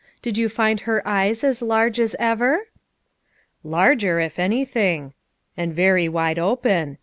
Did you find her eyes as large as ever J" "Larger if anything, and very wide open.